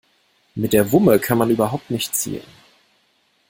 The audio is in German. Mit der Wumme kann man überhaupt nicht zielen.